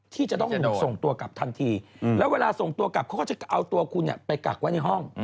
ที่จะต้องถูกส่งตัวกลับทันทีแล้วเวลาส่งตัวกลับเขาก็จะเอาตัวคุณไปกักไว้ในห้อง